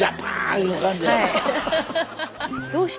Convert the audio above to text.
いう感じや。